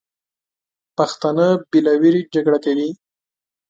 پښتانه بې له ویرې جګړه کوي.